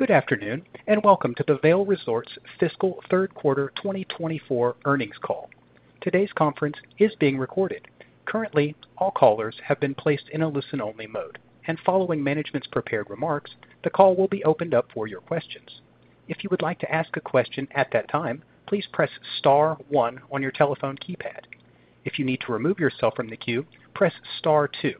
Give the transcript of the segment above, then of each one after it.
Good afternoon, and welcome to the Vail Resorts Fiscal Q3 2024 Earnings Call. Today's conference is being recorded. Currently, all callers have been placed in a listen-only mode, and following management's prepared remarks, the call will be opened up for your questions. If you would like to ask a question at that time, please press star one on your telephone keypad. If you need to remove yourself from the queue, press star two.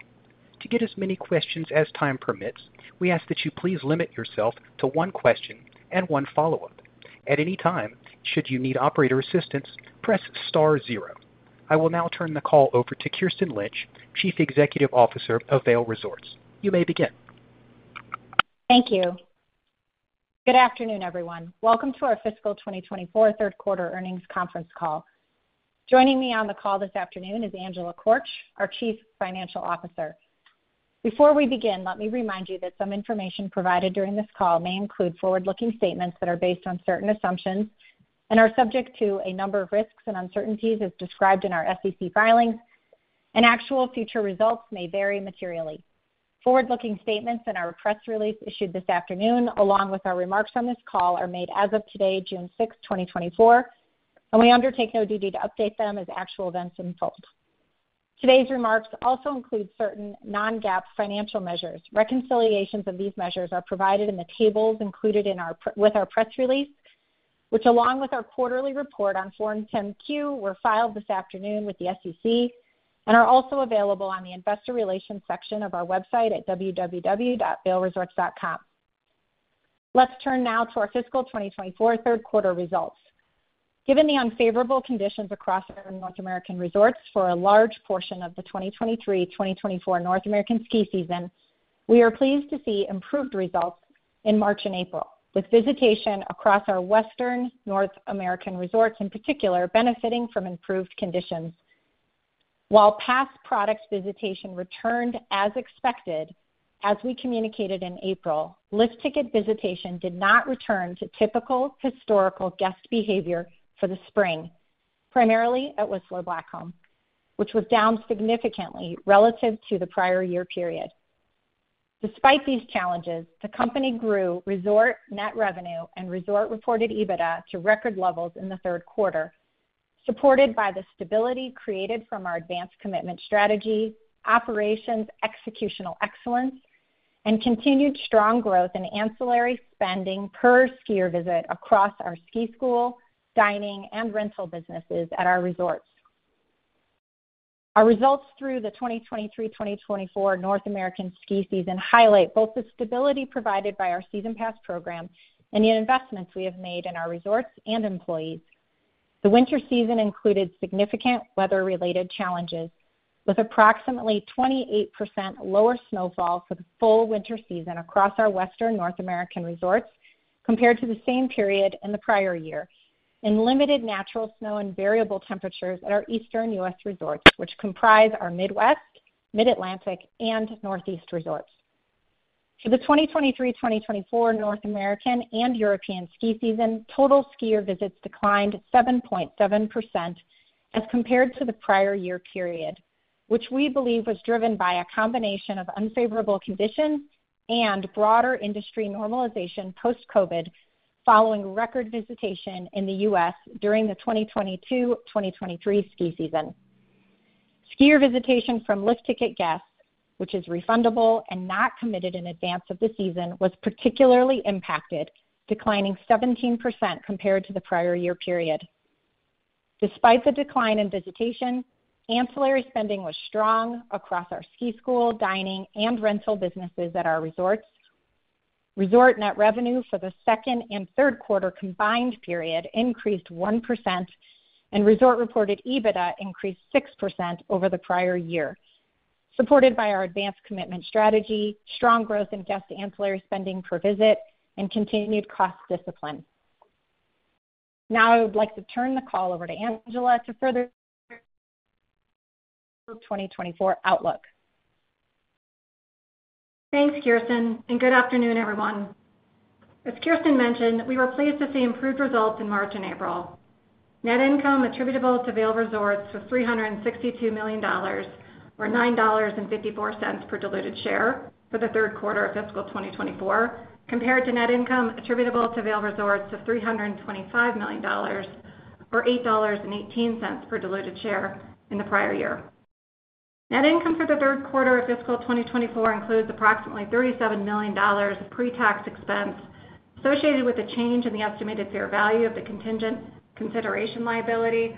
To get as many questions as time permits, we ask that you please limit yourself to one question and one follow-up. At any time, should you need operator assistance, press star zero. I will now turn the call over to Kirsten Lynch, Chief Executive Officer of Vail Resorts. You may begin. Thank you. Good afternoon, everyone. Welcome to our fiscal 2024 Q3 Earnings Conference Call. Joining me on the call this afternoon is Angela Korch, our Chief Financial Officer. Before we begin, let me remind you that some information provided during this call may include forward-looking statements that are based on certain assumptions and are subject to a number of risks and uncertainties as described in our SEC filings, and actual future results may vary materially. Forward-looking statements in our press release issued this afternoon, along with our remarks on this call, are made as of today, June 6, 2024, and we undertake no duty to update them as actual events unfold. Today's remarks also include certain non-GAAP financial measures. Reconciliations of these measures are provided in the tables included in our press release, which, along with our quarterly report on Form 10-Q, were filed this afternoon with the SEC and are also available on the Investor Relations section of our website at www.vailresorts.com. Let's turn now to our fiscal 2024 Q3 results. Given the unfavorable conditions across our North American resorts for a large portion of the 2023/2024 North American ski season, we are pleased to see improved results in March and April, with visitation across our Western North American resorts in particular, benefiting from improved conditions. While pass products visitation returned as expected, as we communicated in April, lift ticket visitation did not return to typical historical guest behavior for the spring, primarily at Whistler Blackcomb, which was down significantly relative to the prior year period. Despite these challenges, the company grew resort net revenue and resort-reported EBITDA to record levels in the Q3, supported by the stability created from our advanced commitment strategy, operations, executional excellence, and continued strong growth in ancillary spending per skier visit across our ski school, dining and rental businesses at our resorts. Our results through the 2023/2024 North American ski season highlight both the stability provided by our season pass program and the investments we have made in our resorts and employees. The winter season included significant weather-related challenges, with approximately 28% lower snowfall for the full winter season across our Western North American resorts compared to the same period in the prior year, and limited natural snow and variable temperatures at our Eastern U.S. resorts, which comprise our Midwest, Mid-Atlantic, and Northeast resorts. For the 2023/2024 North American and European ski season, total skier visits declined 7.7% as compared to the prior year period, which we believe was driven by a combination of unfavorable conditions and broader industry normalization post-COVID, following record visitation in the U.S. during the 2022/2023 ski season. Skier visitation from lift ticket guests, which is refundable and not committed in advance of the season, was particularly impacted, declining 17% compared to the prior year period. Despite the decline in visitation, ancillary spending was strong across our ski school, dining, and rental businesses at our resorts. Resort net revenue for the second and Q3 combined period increased 1%, and resort-reported EBITDA increased 6% over the prior year, supported by our advanced commitment strategy, strong growth in guest ancillary spending per visit, and continued cost discipline. Now, I would like to turn the call over to Angela to further... 2024 outlook. Thanks, Kirsten, and good afternoon, everyone. As Kirsten mentioned, we were pleased to see improved results in March and April. Net income attributable to Vail Resorts was $362 million, or 9.54 per diluted share for Q3 of fiscal 2024, compared to net income attributable to Vail Resorts of $325 million, or 8.18 per diluted share in the prior year. Net income for Q3 of fiscal 2024 includes approximately $37 million of pre-tax expense associated with the change in the estimated fair value of the contingent consideration liability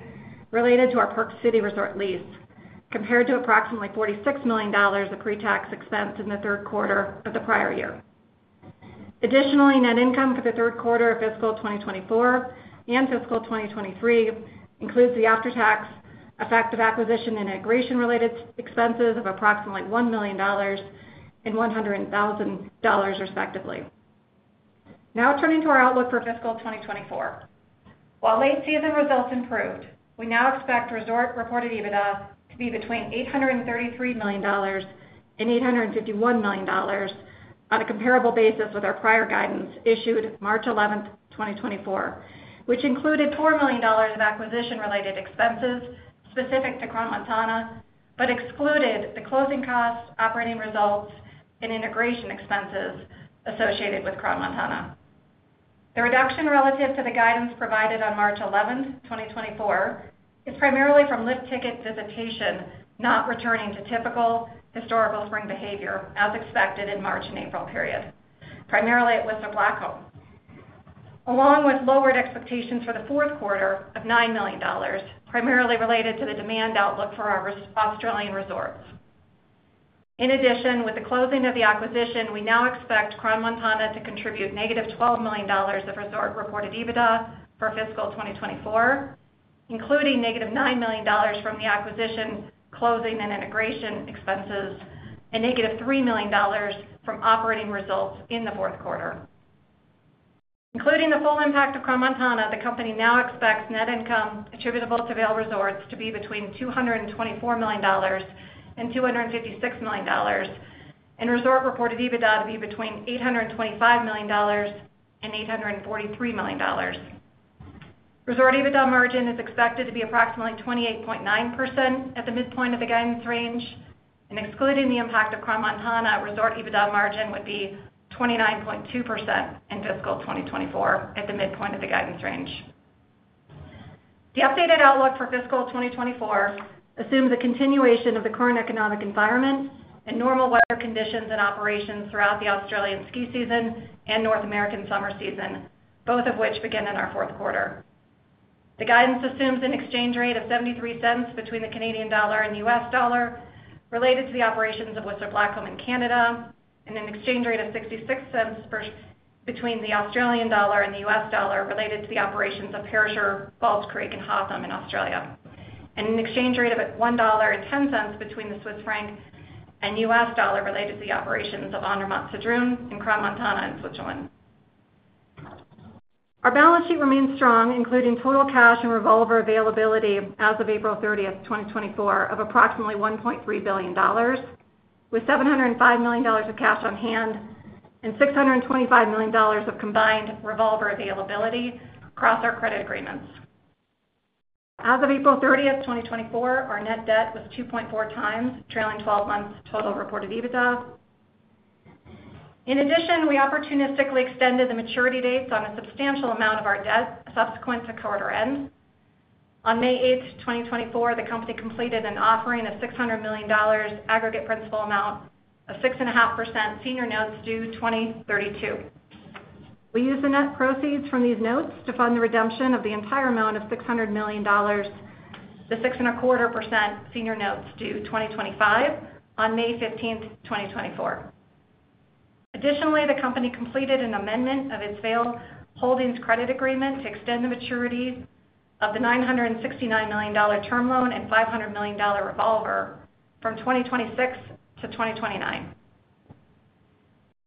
related to our Park City resort lease, compared to approximately $46 million of pre-tax expense in Q3 of the prior year. Additionally, net income for the Q3 of fiscal 2024 and fiscal 2023 includes the after-tax effect of acquisition and integration-related expenses of approximately $1 million and 100,000, respectively. Now, turning to our outlook for fiscal 2024. While late-season results improved, we now expect resort-reported EBITDA to be between $833 and 851 million on a comparable basis with our prior guidance issued March 11, 2024, which included $4 million of acquisition-related expenses specific to Crans-Montana, but excluded the closing costs, operating results, and integration expenses associated with Crans-Montana. The reduction relative to the guidance provided on March 11, 2024, is primarily from lift ticket visitation, not returning to typical historical spring behavior as expected in March and April period, primarily at Whistler Blackcomb. Along with lowered expectations for the fourth quarter of $9 million, primarily related to the demand outlook for our Australian resorts. In addition, with the closing of the acquisition, we now expect Crans-Montana to contribute -$12 million of resort-reported EBITDA for fiscal 2024, including -$9 million from the acquisition, closing and integration expenses, and -$3 million from operating results in the fourth quarter. Including the full impact of Crans-Montana, the company now expects net income attributable to Vail Resorts to be between $224 and 256 million, and resort-reported EBITDA to be between $825 and 843 million. Resort EBITDA margin is expected to be approximately 28.9% at the midpoint of the guidance range, and excluding the impact of Crans-Montana, resort EBITDA margin would be 29.2% in fiscal 2024 at the midpoint of the guidance range. The updated outlook for fiscal 2024 assumes a continuation of the current economic environment and normal weather conditions and operations throughout the Australian ski season and North American summer season, both of which begin in our fourth quarter. The guidance assumes an exchange rate of 0.73 between the Canadian dollar and the US dollar, related to the operations of Whistler Blackcomb in Canada, and an exchange rate of 0.66 between the Australian dollar and the U.S. dollar, related to the operations of Perisher, Falls Creek, and Hotham in Australia. And an exchange rate of $1.10 between the Swiss franc and US dollar, related to the operations of Andermatt-Sedrun and Crans-Montana in Switzerland. Our balance sheet remains strong, including total cash and revolver availability as of April 30, 2024, of approximately $1.3 billion, with $705 million of cash on hand and $625 million of combined revolver availability across our credit agreements. As of April 30, 2024, our net debt was 2.4x trailing 12 months total reported EBITDA. In addition, we opportunistically extended the maturity dates on a substantial amount of our debt subsequent to quarter end. On May 8, 2024, the company completed an offering of $600 million aggregate principal amount of 6.5% senior notes due 2032. We used the net proceeds from these notes to fund the redemption of the entire amount of $600 million, the 6.25% senior notes due 2025 on May 15, 2024. Additionally, the company completed an amendment of its Vail Holdings credit agreement to extend the maturities of the $969 million term loan and $500 million revolver from 2026 to 2029.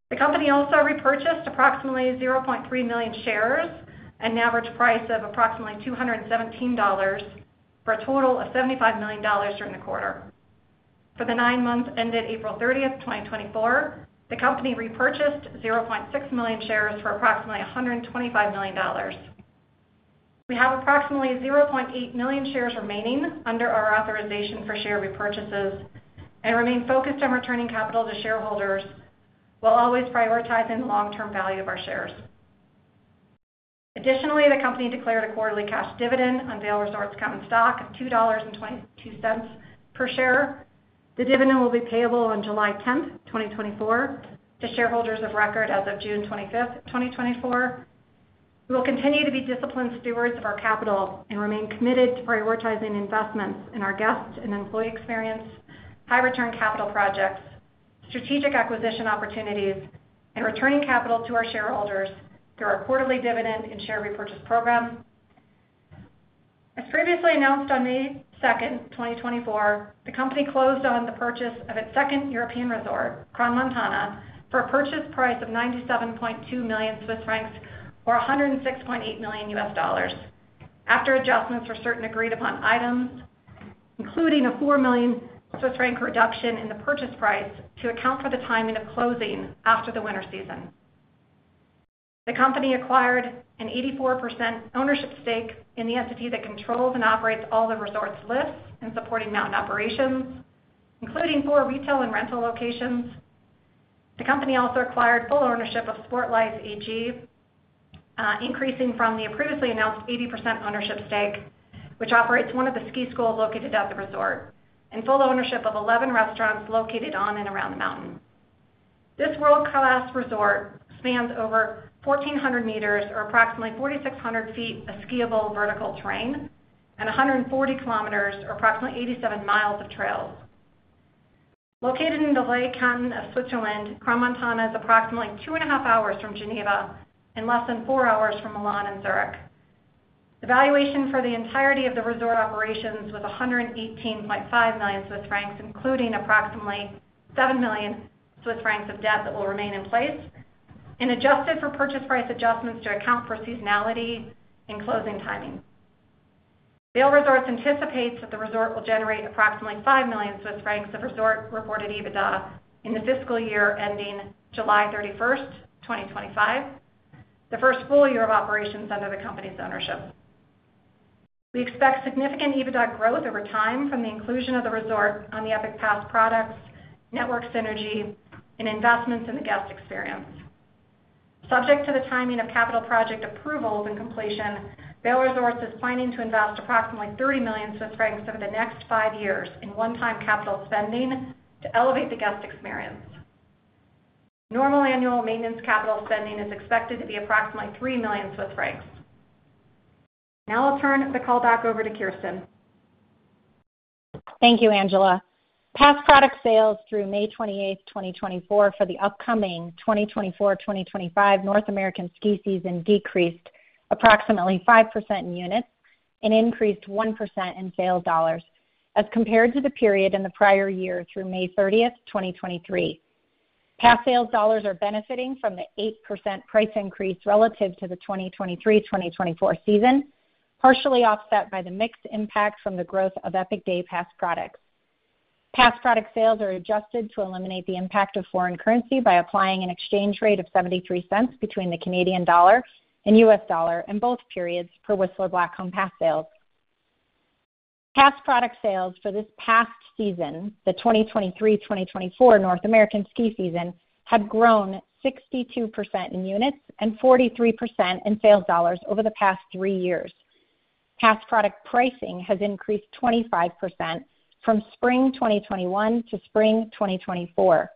The company also repurchased approximately 0.3 million shares at an average price of approximately $217, for a total of $75 million during the quarter. For the nine months ended April 30, 2024, the company repurchased 0.6 million shares for approximately $125 million. We have approximately 0.8 million shares remaining under our authorization for share repurchases and remain focused on returning capital to shareholders, while always prioritizing the long-term value of our shares. Additionally, the company declared a quarterly cash dividend on Vail Resorts common stock of $2.22 per share. The dividend will be payable on July 10, 2024, to shareholders of record as of June 25, 2024. We will continue to be disciplined stewards of our capital and remain committed to prioritizing investments in our guests and employee experience, high return capital projects, strategic acquisition opportunities, and returning capital to our shareholders through our quarterly dividend and share repurchase program. As previously announced on May 2, 2024, the company closed on the purchase of its second European resort, Crans-Montana, for a purchase price of 97.2 million Swiss francs, or $106.8 million, after adjustments for certain agreed upon items, including a 4 million Swiss franc reduction in the purchase price to account for the timing of closing after the winter season. The company acquired an 84% ownership stake in the entity that controls and operates all the resort's lifts and supporting mountain operations, including four retail and rental locations. The company also acquired full ownership of Sportlife AG, increasing from the previously announced 80% ownership stake, which operates one of the ski schools located at the resort, and full ownership of 11 restaurants located on and around the mountain. This world-class resort spans over 1,400m, or approximately 4,600 feet, of skiable vertical terrain and 140km, or approximately 87mi of trails. Located in the Valais canton of Switzerland, Crans-Montana is approximately two and a half hours from Geneva and less than 4 hours from Milan and Zurich. The valuation for the entirety of the resort operations was 118.5 million Swiss francs, including approximately 7 million Swiss francs of debt that will remain in place and adjusted for purchase price adjustments to account for seasonality and closing timing. Vail Resorts anticipates that the resort will generate approximately 5 million Swiss francs of resort-reported EBITDA in the fiscal year ending July 31, 2025, the first full year of operations under the company's ownership. We expect significant EBITDA growth over time from the inclusion of the resort on the Epic Pass products, network synergy, and investments in the guest experience. Subject to the timing of capital project approvals and completion, Vail Resorts is planning to invest approximately 30 million Swiss francs over the next five years in one-time capital spending to elevate the guest experience. Normal annual maintenance capital spending is expected to be approximately 3 million Swiss francs. Now I'll turn the call back over to Kirsten. Thank you, Angela. Pass product sales through May 28, 2024, for the upcoming 2024-2025 North American ski season decreased approximately 5% in units and increased 1% in sales dollars, as compared to the period in the prior year through May 30, 2023. Pass sales dollars are benefiting from the 8% price increase relative to the 2023-2024 season, partially offset by the mixed impact from the growth of Epic Day Pass products. Pass product sales are adjusted to eliminate the impact of foreign currency by applying an exchange rate of 0.73 between the Canadian dollar and U.S. dollar in both periods per Whistler Blackcomb pass sales. Pass product sales for this past season, the 2023-2024 North American ski season, have grown 62% in units and 43% in sales dollars over the past three years. Pass product pricing has increased 25% from spring 2021 to spring 2024.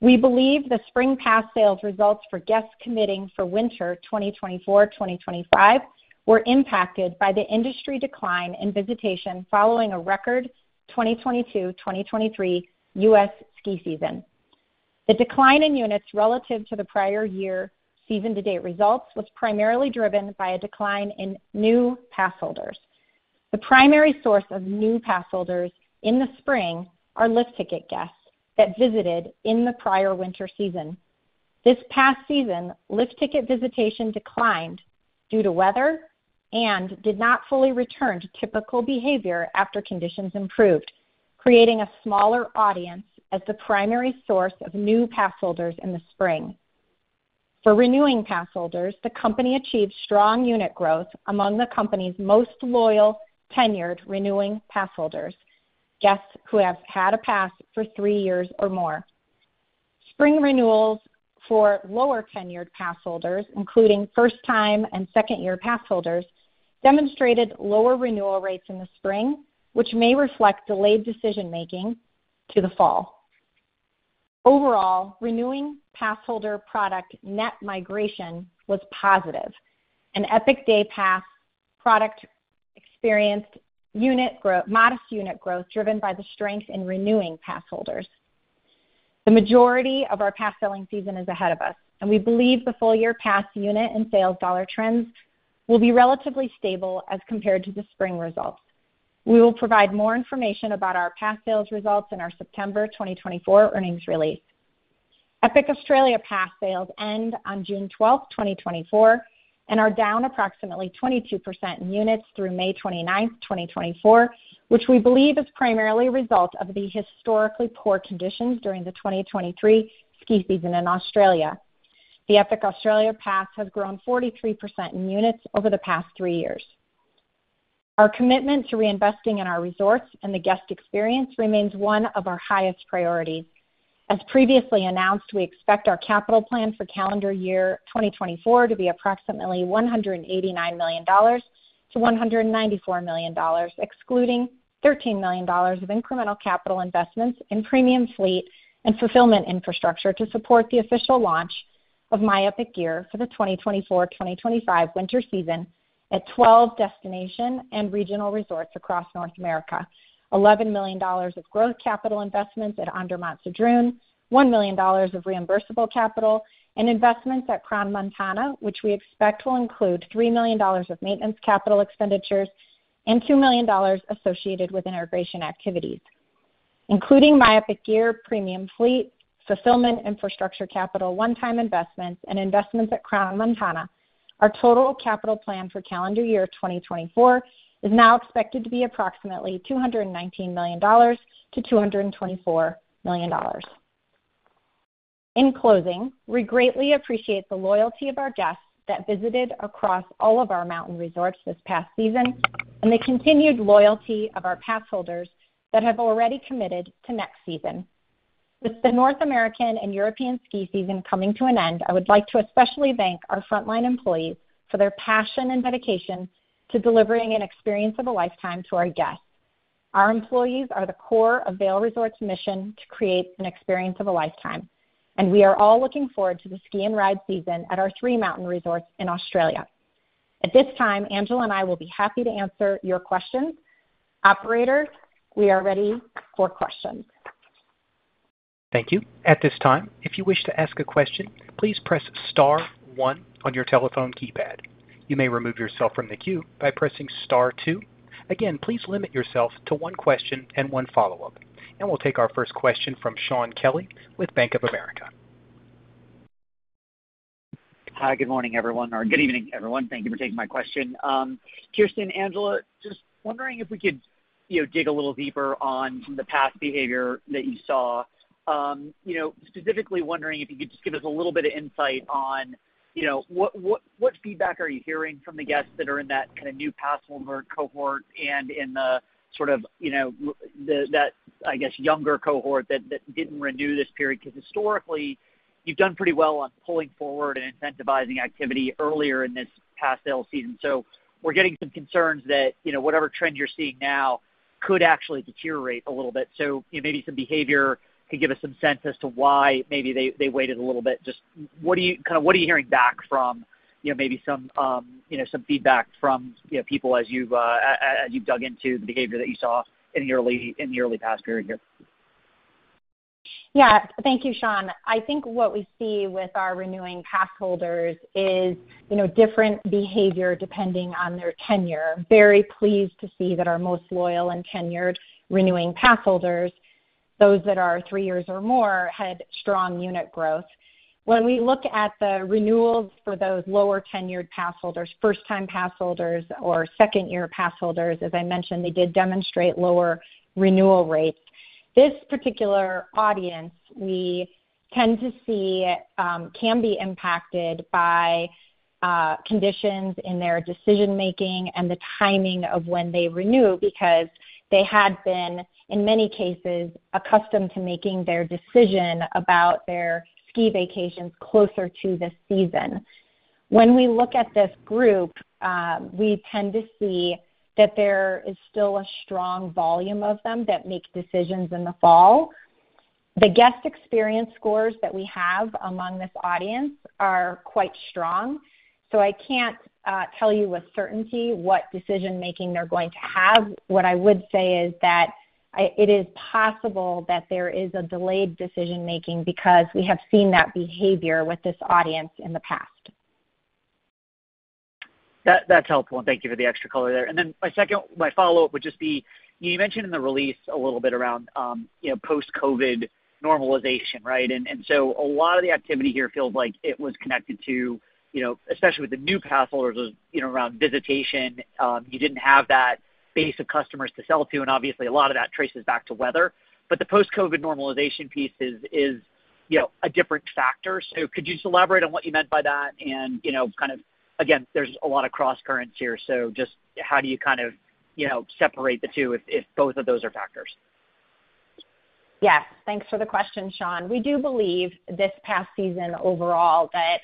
We believe the spring pass sales results for guests committing for winter 2024-2025 were impacted by the industry decline in visitation following a record 2022-2023 U.S. ski season. The decline in units relative to the prior year season-to-date results was primarily driven by a decline in new passholders. The primary source of new passholders in the spring are lift ticket guests that visited in the prior winter season. This past season, lift ticket visitation declined due to weather and did not fully return to typical behavior after conditions improved, creating a smaller audience as the primary source of new passholders in the spring. For renewing passholders, the company achieved strong unit growth among the company's most loyal, tenured, renewing passholders, guests who have had a pass for three years or more. Spring renewals for lower-tenured passholders, including first-time and second-year passholders, demonstrated lower renewal rates in the spring, which may reflect delayed decision-making to the fall. Overall, renewing passholder product net migration was positive, and Epic Day Pass product experienced unit growth, modest unit growth, driven by the strength in renewing passholders. The majority of our pass-selling season is ahead of us, and we believe the full-year pass unit and sales dollar trends will be relatively stable as compared to the spring results. We will provide more information about our pass sales results in our September 2024 earnings release. Epic Australia Pass sales end on June 12, 2024, and are down approximately 22% in units through May 29, 2024, which we believe is primarily a result of the historically poor conditions during the 2023 ski season in Australia. The Epic Australia Pass has grown 43% in units over the past three years. Our commitment to reinvesting in our resorts and the guest experience remains one of our highest priorities. As previously announced, we expect our capital plan for calendar year 2024 to be approximately $189 -194 million, excluding $13 million of incremental capital investments in premium fleet and fulfillment infrastructure to support the official launch of My Epic Gear for the 2024-2025 winter season at 12 destination and regional resorts across North America, $11 million of growth capital investments at Andermatt-Sedrun, $1 million of reimbursable capital, and investments at Crans-Montana, which we expect will include $3 million of maintenance capital expenditures and $2 million associated with integration activities. Including My Epic Gear premium fleet, fulfillment, infrastructure capital, one-time investments, and investments at Crans-Montana, our total capital plan for calendar year 2024 is now expected to be approximately $219 -224 million. In closing, we greatly appreciate the loyalty of our guests that visited across all of our mountain resorts this past season and the continued loyalty of our passholders that have already committed to next season. With the North American and European ski season coming to an end, I would like to especially thank our frontline employees for their passion and dedication to delivering an experience of a lifetime to our guests. Our employees are the core of Vail Resorts' mission to create an experience of a lifetime, and we are all looking forward to the ski and ride season at our three mountain resorts in Australia. At this time, Angela and I will be happy to answer your questions. Operator, we are ready for questions. Thank you. At this time, if you wish to ask a question, please press star one on your telephone keypad. You may remove yourself from the queue by pressing star two. Again, please limit yourself to one question and one follow-up, and we'll take our first question from Shaun Kelley with Bank of America. Hi, good morning, everyone, or good evening, everyone. Thank you for taking my question. Kirsten, Angela, just wondering if we could, you know, dig a little deeper on the pass behavior that you saw. You know, specifically wondering if you could just give us a little bit of insight on, you know, what feedback are you hearing from the guests that are in that kind of new passholder cohort and in the sort of, you know, younger cohort that didn't renew this period? Because historically, you've done pretty well on pulling forward and incentivizing activity earlier in this pass sale season. So we're getting some concerns that, you know, whatever trend you're seeing now could actually deteriorate a little bit. So, you know, maybe some behavior could give us some sense as to why maybe they waited a little bit. Just what are you kinda, what are you hearing back from, you know, maybe some, you know, some feedback from, you know, people as you've dug into the behavior that you saw in the early pass period here? Yeah. Thank you, Sean. I think what we see with our renewing passholders is, you know, different behavior depending on their tenure. Very pleased to see that our most loyal and tenured renewing passholders, those that are three years or more, had strong unit growth. When we look at the renewals for those lower tenured passholders, first time passholders or second-year passholders, as I mentioned, they did demonstrate lower renewal rates. This particular audience, we tend to see, can be impacted by conditions in their decision making and the timing of when they renew, because they had been, in many cases, accustomed to making their decision about their ski vacations closer to the season. When we look at this group, we tend to see that there is still a strong volume of them that make decisions in the fall. The guest experience scores that we have among this audience are quite strong, so I can't tell you with certainty what decision making they're going to have. What I would say is that it is possible that there is a delayed decision making, because we have seen that behavior with this audience in the past. That, that's helpful, and thank you for the extra color there. And then my second, my follow-up would just be, you mentioned in the release a little bit around, you know, post-COVID normalization, right? And, and so a lot of the activity here feels like it was connected to, you know, especially with the new passholders, you know, around visitation, you didn't have that base of customers to sell to, and obviously a lot of that traces back to weather. But the post-COVID normalization piece is, you know, a different factor. So could you elaborate on what you meant by that? And, you know, kind of, again, there's a lot of crosscurrents here, so just how do you kind of, you know, separate the two if both of those are factors? Yeah. Thanks for the question, Sean. We do believe this past season overall, that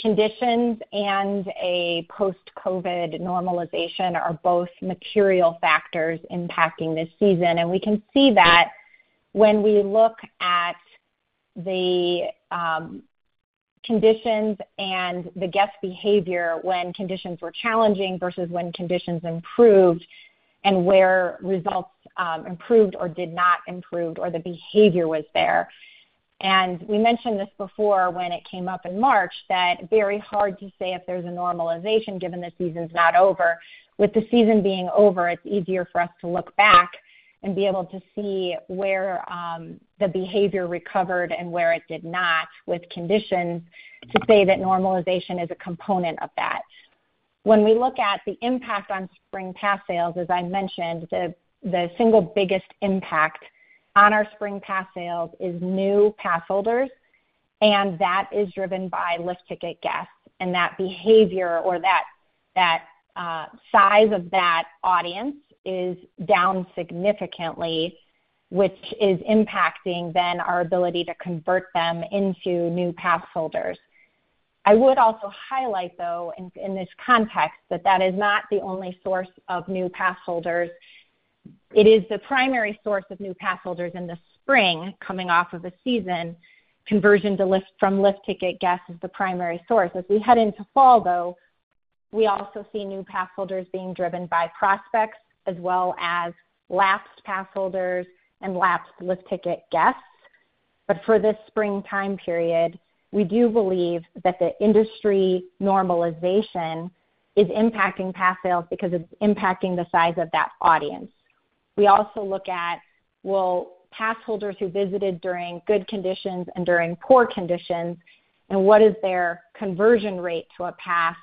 conditions and a post-COVID normalization are both material factors impacting this season. And we can see that when we look at the conditions and the guest behavior when conditions were challenging versus when conditions improved and where results improved or did not improve or the behavior was there. And we mentioned this before when it came up in March, that very hard to say if there's a normalization, given the season's not over. With the season being over, it's easier for us to look back and be able to see where the behavior recovered and where it did not with conditions to say that normalization is a component of that. When we look at the impact on spring pass sales, as I mentioned, the single biggest impact on our spring pass sales is new passholders, and that is driven by lift ticket guests. And that behavior or that size of that audience is down significantly, which is impacting then our ability to convert them into new passholders. I would also highlight, though, in this context, that that is not the only source of new passholders. It is the primary source of new passholders in the spring coming off of a season. Conversion from lift ticket guests is the primary source. As we head into fall, though, we also see new passholders being driven by prospects as well as lapsed passholders and lapsed lift ticket guests. But for this springtime period, we do believe that the industry normalization is impacting pass sales because it's impacting the size of that audience. We also look at, well, passholders who visited during good conditions and during poor conditions, and what is their conversion rate to a pass,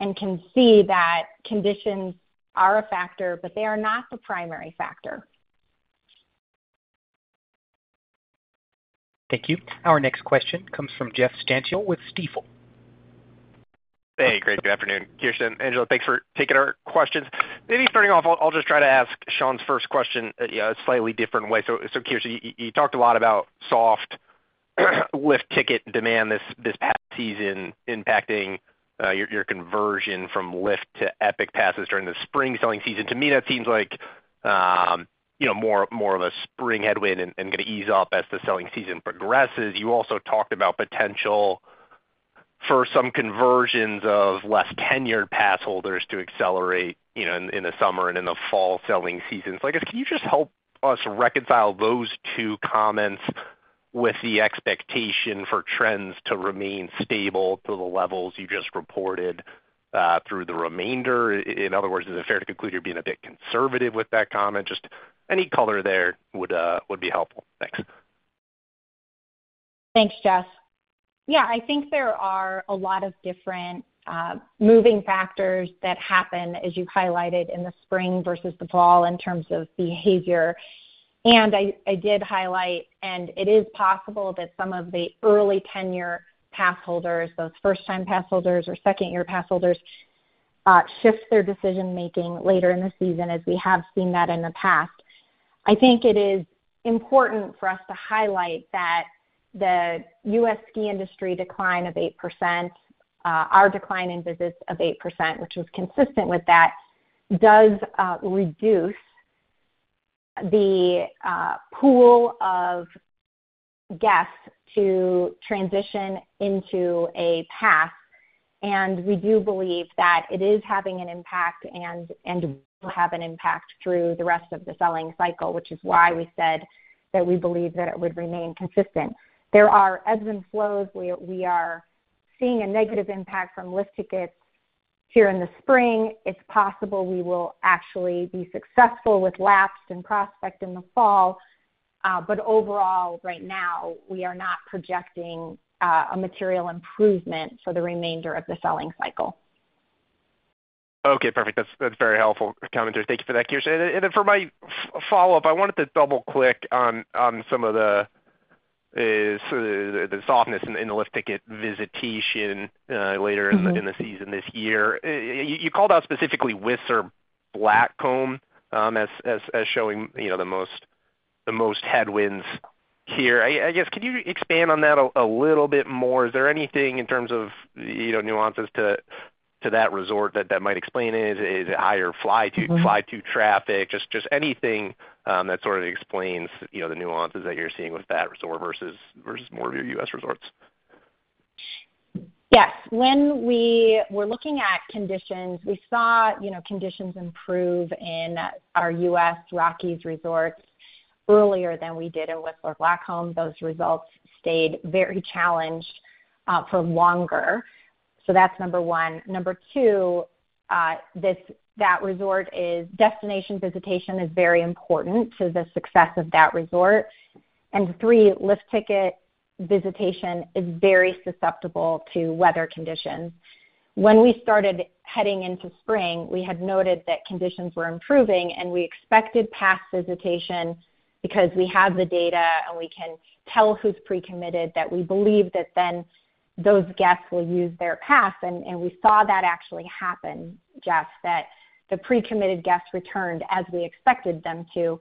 and can see that conditions are a factor, but they are not the primary factor. Thank you. Our next question comes from Jeff Stantial with Stifel. Hey, great. Good afternoon, Kirsten, Angela, thanks for taking our questions. Maybe starting off, I'll just try to ask Shaun's first question, you know, a slightly different way. So, Kirsten, you talked a lot about soft lift ticket demand this past season impacting your conversion from lift to Epic passes during the spring selling season. To me, that seems like, you know, more of a spring headwind and gonna ease up as the selling season progresses. You also talked about potential for some conversions of less tenured passholders to accelerate, you know, in the summer and in the fall selling seasons. I guess, can you just help us reconcile those two comments with the expectation for trends to remain stable to the levels you just reported through the remainder? In other words, is it fair to conclude you're being a bit conservative with that comment? Just any color there would, would be helpful. Thanks.... Thanks, Jeff. Yeah, I think there are a lot of different moving factors that happen, as you highlighted, in the spring versus the fall in terms of behavior. And I did highlight, and it is possible that some of the early tenure pass holders, those first-time pass holders or second-year pass holders, shift their decision making later in the season, as we have seen that in the past. I think it is important for us to highlight that the U.S. ski industry decline of 8%, our decline in visits of 8%, which was consistent with that, does reduce the pool of guests to transition into a pass, and we do believe that it is having an impact and will have an impact through the rest of the selling cycle, which is why we said that we believe that it would remain consistent. There are ebbs and flows. We are seeing a negative impact from lift tickets here in the spring. It's possible we will actually be successful with lapsed and prospect in the fall. But overall, right now, we are not projecting a material improvement for the remainder of the selling cycle. Okay, perfect. That's, that's very helpful commentary. Thank you for that, Kirsten. And then for my follow-up, I wanted to double-click on some of the sort of the softness in the lift ticket visitation later in the season this year. You called out specifically Whistler Blackcomb as showing, you know, the most headwinds here. I guess, could you expand on that a little bit more? Is there anything in terms of, you know, nuances to that resort that might explain it? Is it higher fly-to traffic? Just anything that sort of explains, you know, the nuances that you're seeing with that resort versus more of your U.S. resorts. Yes. When we were looking at conditions, we saw, you know, conditions improve in our U.S. Rockies resorts earlier than we did in Whistler Blackcomb. Those results stayed very challenged for longer. So that's number one. Number two, this, that resort is destination visitation is very important to the success of that resort. And three, lift ticket visitation is very susceptible to weather conditions. When we started heading into spring, we had noted that conditions were improving, and we expected pass visitation because we have the data, and we can tell who's pre-committed, that we believe that then those guests will use their pass. And we saw that actually happen, Jeff, that the pre-committed guests returned as we expected them to.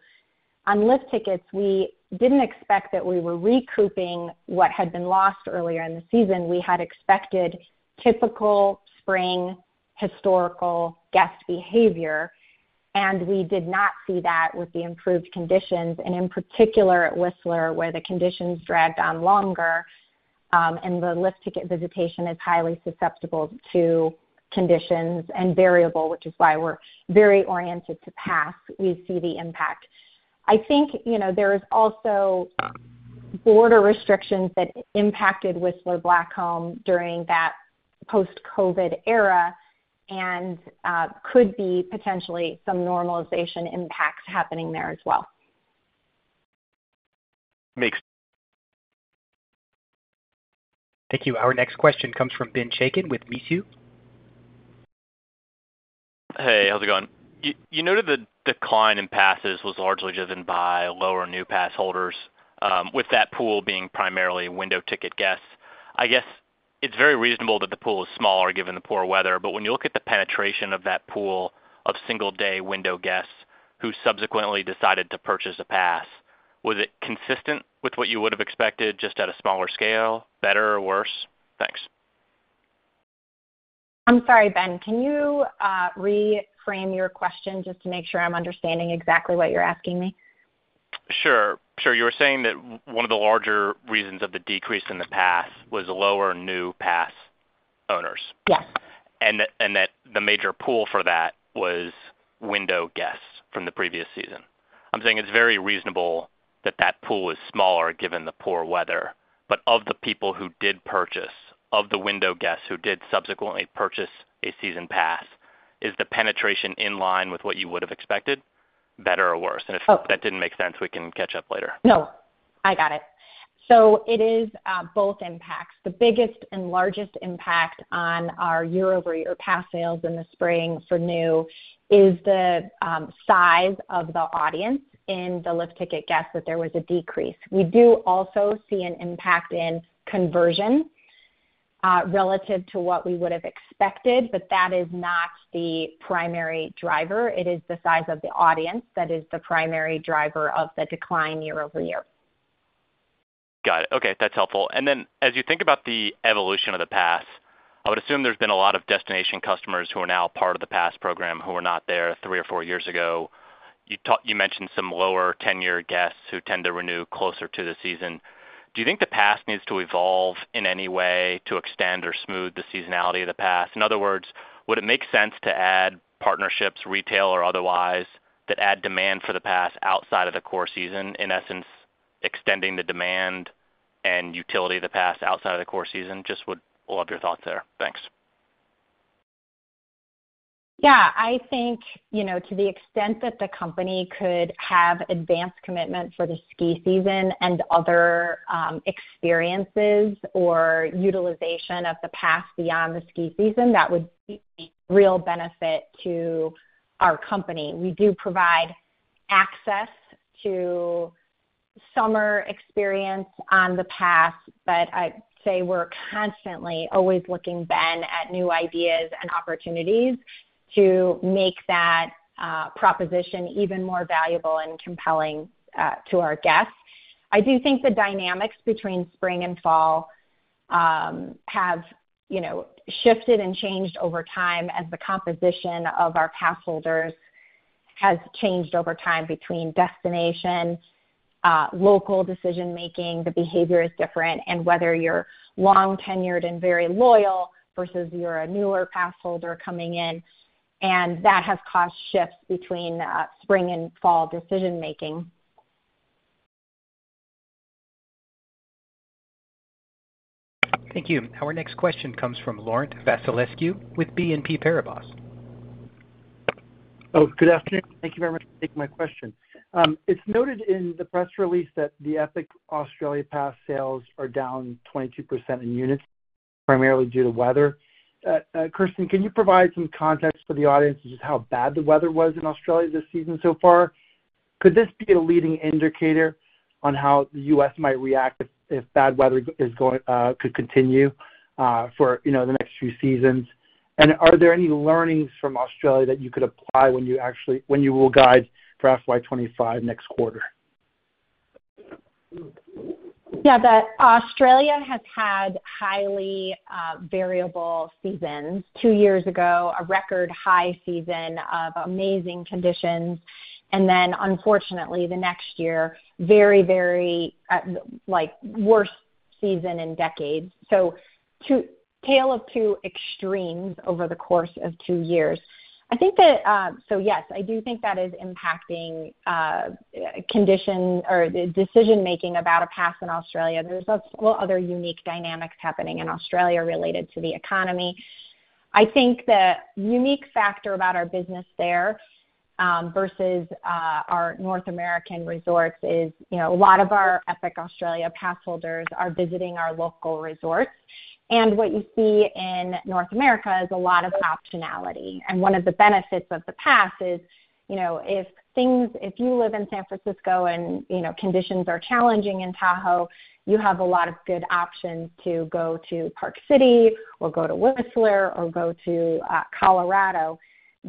On lift tickets, we didn't expect that we were recouping what had been lost earlier in the season. We had expected typical spring historical guest behavior, and we did not see that with the improved conditions, and in particular at Whistler, where the conditions dragged on longer, and the lift ticket visitation is highly susceptible to conditions and variable, which is why we're very oriented to pass. We see the impact. I think, you know, there is also border restrictions that impacted Whistler Blackcomb during that post-COVID era and could be potentially some normalization impacts happening there as well. Makes- Thank you. Our next question comes from Ben Chaiken with Mizuho. Hey, how's it going? You, you noted the decline in passes was largely driven by lower new pass holders, with that pool being primarily window ticket guests. I guess it's very reasonable that the pool is smaller, given the poor weather. But when you look at the penetration of that pool of single-day window guests who subsequently decided to purchase a pass, was it consistent with what you would have expected, just at a smaller scale, better or worse? Thanks. I'm sorry, Ben, can you reframe your question just to make sure I'm understanding exactly what you're asking me? Sure. Sure. You were saying that one of the larger reasons of the decrease in the pass was lower new pass owners. Yes. And that the major pool for that was window guests from the previous season. I'm saying it's very reasonable that the pool is smaller, given the poor weather. But of the people who did purchase, of the window guests who did subsequently purchase a season pass, is the penetration in line with what you would have expected, better or worse? Oh- If that didn't make sense, we can catch up later. No, I got it. So it is both impacts. The biggest and largest impact on our year-over-year pass sales in the spring for new is the size of the audience in the lift ticket guests that there was a decrease. We do also see an impact in conversion relative to what we would have expected, but that is not the primary driver. It is the size of the audience that is the primary driver of the decline year over year. Got it. Okay, that's helpful. And then as you think about the evolution of the pass, I would assume there's been a lot of destination customers who are now part of the pass program, who were not there three or four years ago. You talk - you mentioned some lower tenure guests who tend to renew closer to the season. Do you think the pass needs to evolve in any way to extend or smooth the seasonality of the pass? In other words, would it make sense to add partnerships, retail or otherwise, that add demand for the pass outside of the core season, in essence, extending the demand and utility of the pass outside of the core season? Just would love your thoughts there. Thanks.... Yeah, I think, you know, to the extent that the company could have advanced commitment for the ski season and other, experiences or utilization of the pass beyond the ski season, that would be a real benefit to our company. We do provide access to summer experience on the pass, but I'd say we're constantly always looking then at new ideas and opportunities to make that proposition even more valuable and compelling to our guests. I do think the dynamics between spring and fall have, you know, shifted and changed over time as the composition of our passholders has changed over time between destination local decision-making, the behavior is different, and whether you're long-tenured and very loyal versus you're a newer passholder coming in, and that has caused shifts between spring and fall decision-making. Thank you. Our next question comes from Laurent Vasilescu with BNP Paribas. Oh, good afternoon. Thank you very much for taking my question. It's noted in the press release that the Epic Australia Pass sales are down 22% in units, primarily due to weather. Kirsten, can you provide some context for the audience on just how bad the weather was in Australia this season so far? Could this be a leading indicator on how the U.S. might react if bad weather is going, could continue, for, you know, the next few seasons? And are there any learnings from Australia that you could apply when you actually—when you will guide for FY 2025 next quarter? Yeah, the Australia has had highly, variable seasons. Two years ago, a record high season of amazing conditions, and then unfortunately, the next year, very, very, like, worst season in decades. So tale of two extremes over the course of two years. I think that, so yes, I do think that is impacting, condition or the decision-making about a pass in Australia. There's a few other unique dynamics happening in Australia related to the economy. I think the unique factor about our business there, versus, our North American resorts is, you know, a lot of our Epic Australia Passholders are visiting our local resorts. And what you see in North America is a lot of optionality. And one of the benefits of the pass is, you know, if things, if you live in San Francisco and, you know, conditions are challenging in Tahoe, you have a lot of good options to go to Park City or go to Whistler or go to Colorado.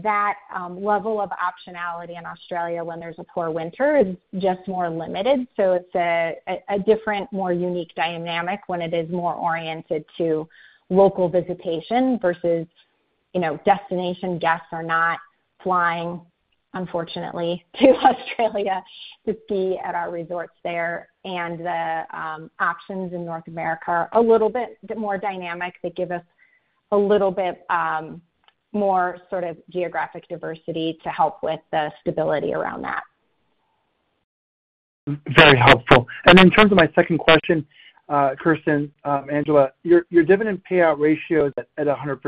That level of optionality in Australia, when there's a poor winter, is just more limited. So it's a different, more unique dynamic when it is more oriented to local visitation versus, you know, destination guests are not flying, unfortunately, to Australia to ski at our resorts there. And the options in North America are a little bit more dynamic. They give us a little bit more sort of geographic diversity to help with the stability around that. Very helpful. In terms of my second question, Kirsten, Angela, your dividend payout ratio is at 100%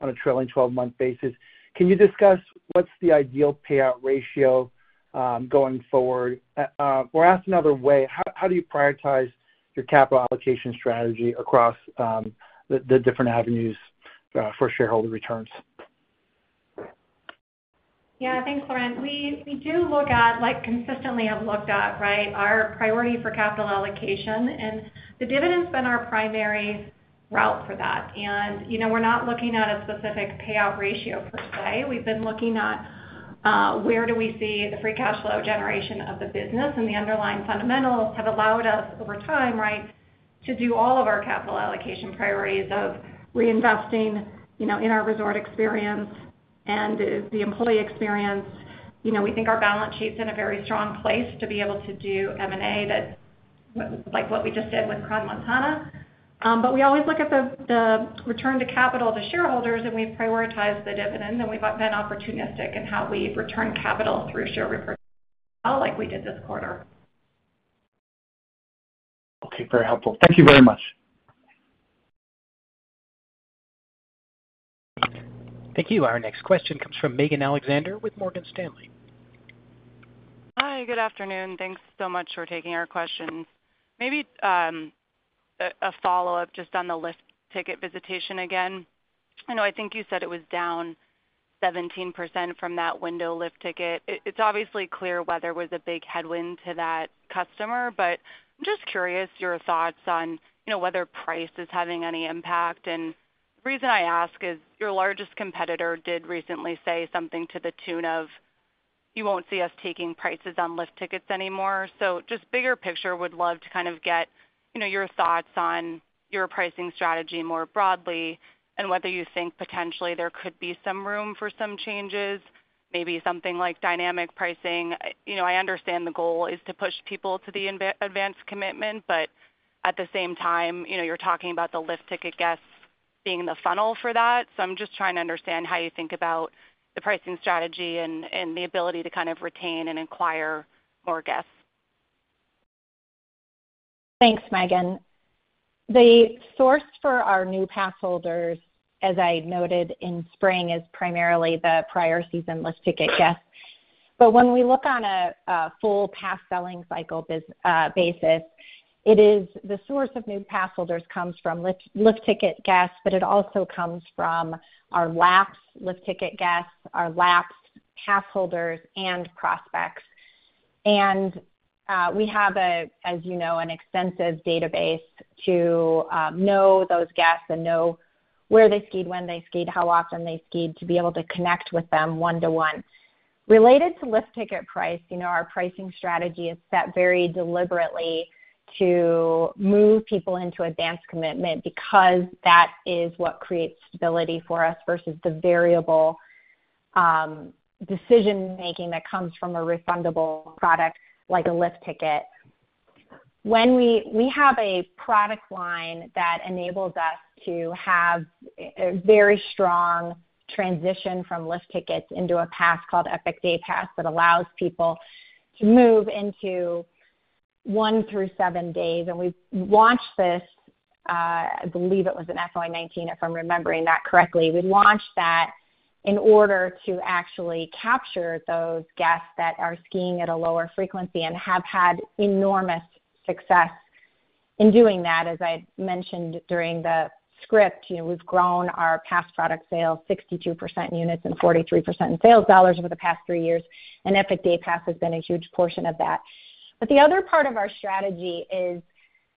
on a trailing 12-months basis. Can you discuss what's the ideal payout ratio going forward? Or asked another way, how do you prioritize your capital allocation strategy across the different avenues for shareholder returns? Yeah, thanks, Laurent. We do look at, like, consistently have looked at, right, our priority for capital allocation, and the dividend's been our primary route for that. And, you know, we're not looking at a specific payout ratio per se. We've been looking at where do we see the free cash flow generation of the business, and the underlying fundamentals have allowed us, over time, right, to do all of our capital allocation priorities of reinvesting, you know, in our resort experience and the employee experience. You know, we think our balance sheet's in a very strong place to be able to do M&A that, like what we just did with Crans-Montana. But we always look at the return of capital to shareholders, and we've prioritized the dividend, and we've been opportunistic in how we return capital through share repurchase, like we did this quarter. Okay, very helpful. Thank you very much. Thank you. Our next question comes from Megan Alexander with Morgan Stanley. Hi, good afternoon. Thanks so much for taking our questions. Maybe a follow-up just on the lift ticket visitation again. I know I think you said it was down 17% from that window lift ticket. It's obviously clear weather was a big headwind to that customer, but I'm just curious your thoughts on, you know, whether price is having any impact. And the reason I ask is your largest competitor did recently say something to the tune of, "You won't see us taking prices on lift tickets anymore." So just bigger picture, would love to kind of get, you know, your thoughts on your pricing strategy more broadly and whether you think potentially there could be some room for some changes, maybe something like dynamic pricing. You know, I understand the goal is to push people to the advance commitment, but at the same time, you know, you're talking about the lift ticket guests being the funnel for that. So I'm just trying to understand how you think about the pricing strategy and the ability to kind of retain and acquire more guests. Thanks, Megan. The source for our new pass holders, as I noted in spring, is primarily the prior season lift ticket guests. But when we look on a full pass selling cycle basis, it is the source of new pass holders comes from lift ticket guests, but it also comes from our lapsed lift ticket guests, our lapsed pass holders and prospects. And, we have, as you know, an extensive database to know those guests and know where they skied, when they skied, how often they skied, to be able to connect with them one-to-one. Related to lift ticket price, you know, our pricing strategy is set very deliberately to move people into advanced commitment because that is what creates stability for us versus the variable decision-making that comes from a refundable product like a lift ticket. When we have a product line that enables us to have a very strong transition from lift tickets into a pass called Epic Day Pass that allows people to move into one through seven days. And we've launched this, I believe it was in FY 2019, if I'm remembering that correctly. We launched that in order to actually capture those guests that are skiing at a lower frequency and have had enormous success in doing that. As I mentioned during the script, you know, we've grown our pass product sales 62% in units and 43% in sales dollars over the past 3 years, and Epic Day Pass has been a huge portion of that. But the other part of our strategy is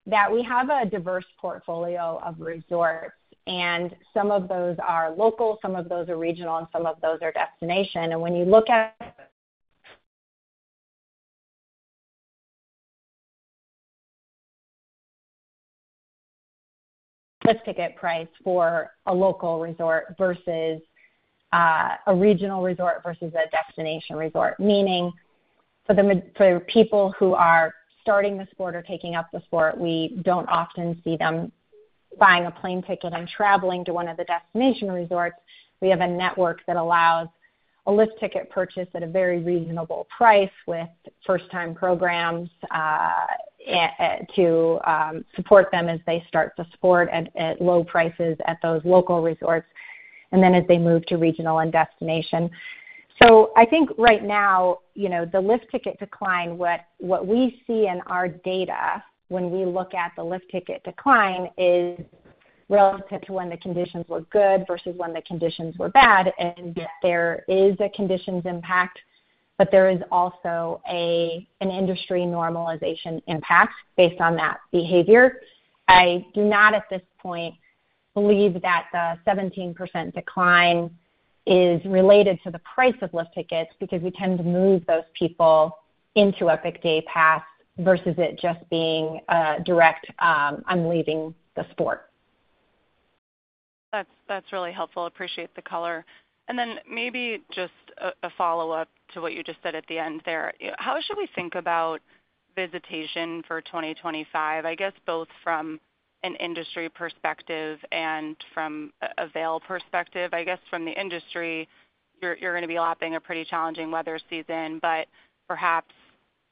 that we have a diverse portfolio of resorts, and some of those are local, some of those are regional, and some of those are destination. And when you look at lift ticket price for a local resort versus a regional resort versus a destination resort, meaning for people who are starting the sport or taking up the sport, we don't often see them buying a plane ticket and traveling to one of the destination resorts. We have a network that allows a lift ticket purchase at a very reasonable price, with first-time programs, to support them as they start the sport at low prices at those local resorts, and then as they move to regional and destination. So I think right now, you know, the lift ticket decline, what we see in our data when we look at the lift ticket decline is relative to when the conditions were good versus when the conditions were bad. And there is a conditions impact, but there is also a, an industry normalization impact based on that behavior. I do not, at this point, believe that the 17% decline is related to the price of lift tickets, because we tend to move those people into Epic Day Pass versus it just being a direct, "I'm leaving the sport. That's really helpful. Appreciate the color. And then maybe just a follow-up to what you just said at the end there. How should we think about visitation for 2025? I guess both from an industry perspective and from a Vail perspective. I guess from the industry, you're gonna be lapping a pretty challenging weather season, but perhaps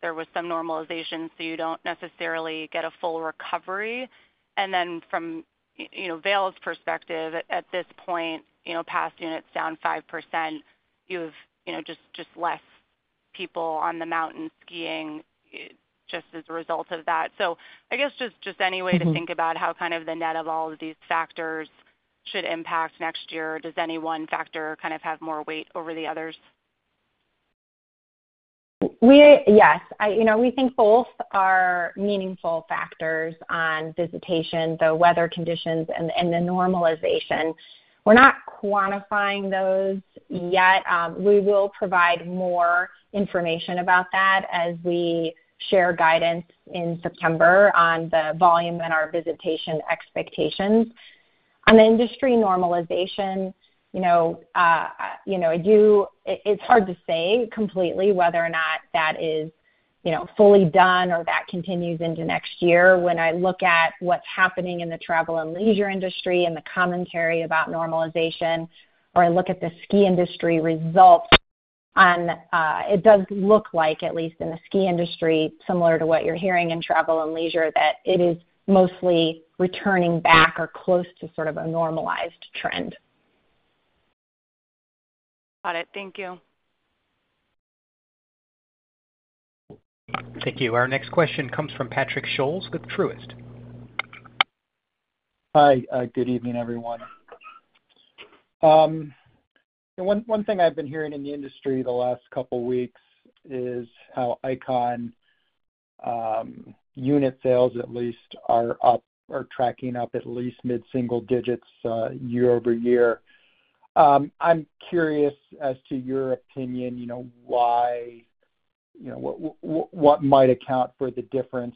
there was some normalization, so you don't necessarily get a full recovery. And then from, you know, Vail's perspective at this point, you know, pass units down 5%, you have, you know, just less people on the mountain skiing just as a result of that. So I guess just any way to think about how kind of the net of all of these factors should impact next year, or does any one factor kind of have more weight over the others? Yes, I... You know, we think both are meaningful factors on visitation, the weather conditions and the normalization. We're not quantifying those yet. We will provide more information about that as we share guidance in September on the volume and our visitation expectations. On the industry normalization, you know, you know, I do—it, it's hard to say completely whether or not that is, you know, fully done or that continues into next year. When I look at what's happening in the travel and leisure industry and the commentary about normalization, or I look at the ski industry results, it does look like, at least in the ski industry, similar to what you're hearing in travel and leisure, that it is mostly returning back or close to sort of a normalized trend. Got it. Thank you. Thank you. Our next question comes from Patrick Scholes with Truist. Hi, good evening, everyone. One thing I've been hearing in the industry the last couple weeks is how Ikon unit sales at least are up, or tracking up at least mid-single digits, year-over-year. I'm curious as to your opinion, you know, why, you know, what might account for the difference